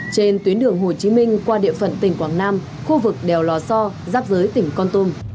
trên tuyến đường hồ chí minh qua địa phận tỉnh quảng nam khu vực đèo lò so giáp giới tỉnh con tum